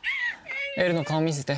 エルの顔見せて。